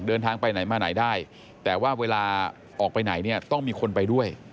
เดินทางไปไหนมาไหนได้แต่ว่าเวลาออกไปไหนเนี่ยต้องมีคนไปด้วย